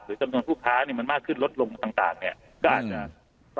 จำนวนผู้ค้าเนี่ยมันมากขึ้นลดลงต่างเนี่ยก็อาจจะ